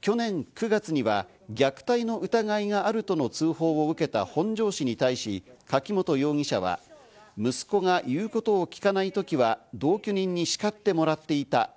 去年９月には虐待の疑いがあるとの通報を受けた本庄市に対し、柿本容疑者は息子が言うことをきかないときは同居人に叱ってもらっていた。